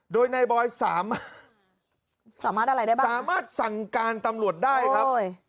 โดยในบอยสามารถสั่งการตำรวจได้ครับ